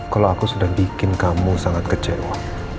kalau aku sudah bikin kamu sangat kecewa